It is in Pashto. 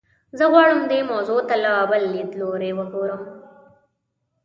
زه غواړم دې موضوع ته له بل لیدلوري وګورم.